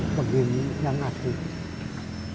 kalau ada tiga puluh biasanya yang ngasih uang kayak begini